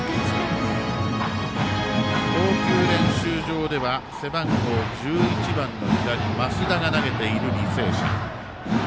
投球練習場では背番号１１番の左、増田が投げている履正社。